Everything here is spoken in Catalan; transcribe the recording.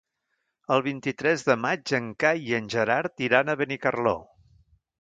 El vint-i-tres de maig en Cai i en Gerard iran a Benicarló.